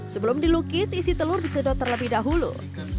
sebelum dilukis isi telur disedot terlebih dahulu